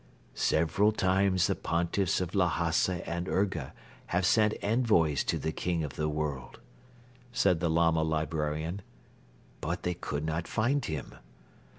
"Several times the Pontiffs of Lhasa and Urga have sent envoys to the King of the World," said the Lama librarian, "but they could not find him.